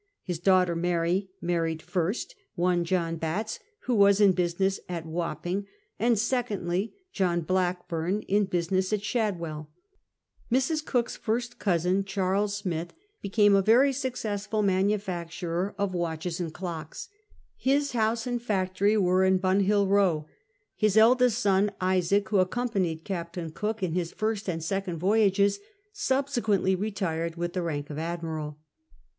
His daughter Mary married, first, one John Batts, who was in business at Wapping ; and secondly, John Blackburn, in business at Shadwcll. Mrs. Cook's first cousin, Charles Smith, became a very successful Ill MAHRIAGE 41 manufacturer of watches, and clocks. His house and factory were in Bunhill Bow. His eldest son Isaac, who accompanied Captain Cook in his first and second voyages, subsequently retired with the rank of admiral.